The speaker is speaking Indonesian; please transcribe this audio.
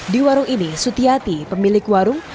di warung ini sutiati pemilik warung